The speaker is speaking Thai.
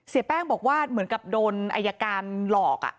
แป้งบอกว่าเหมือนกับโดนอายการหลอก